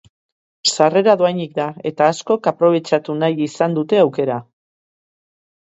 Sarrera dohainik da, eta askok aprobetxatu nahi izan dute aukera.